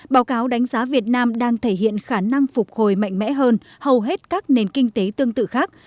báo cáo đánh giá việt nam đang thể hiện khả năng phục hồi mạnh mẽ hơn hầu hết các nền kinh tế tương tự khác